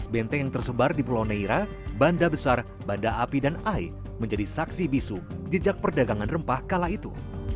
tujuh belas benteng yang tersebar di pulau neira banda besar banda api dan ai menjadi saksi bisu jejak perdagangan rempah kala itu